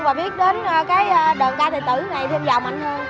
và biết đến cái đoàn ca thầy tử này thêm giàu mạnh hơn